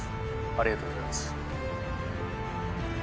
ありがとうございます